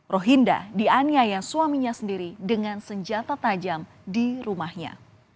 rohinda dianiaya suaminya sendiri dengan senjata tajam di rumahnya